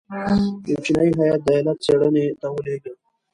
یو چینایي هیات د علت څېړنې ته ولېږه.